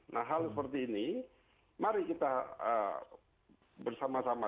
nah hal seperti ini mari kita bersama sama